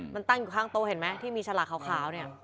มันตั้งอยู่ข้างโต๊ะเห็นไหมที่มีฉลากขาวเนี่ย